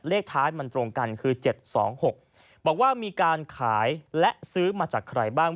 เลขท้ายมันตรงกันคือ๗๒๖บอกว่ามีการขายและซื้อมาจากใครบ้าง